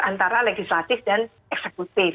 antara legislatif dan eksekutif